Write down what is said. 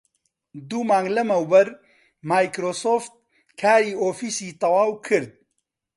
دوو مانگ لەمەوبەر مایکرۆسۆفت کاری ئۆفیسی تەواو کرد